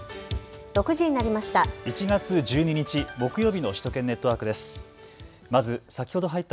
６時になりました。